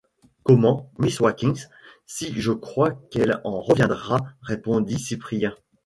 Comment, miss Watkins si je crois qu’elle en reviendra! répondit Cyprien.